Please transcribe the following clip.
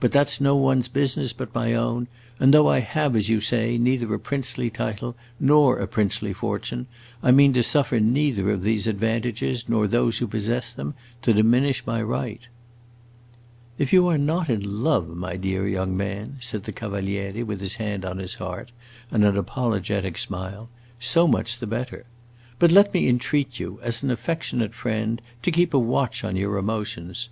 But that 's no one's business but my own, and though I have, as you say, neither a princely title nor a princely fortune, I mean to suffer neither those advantages nor those who possess them to diminish my right." "If you are not in love, my dear young man," said the Cavaliere, with his hand on his heart and an apologetic smile, "so much the better. But let me entreat you, as an affectionate friend, to keep a watch on your emotions.